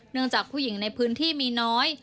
จากผู้หญิงในพื้นที่มีน้อย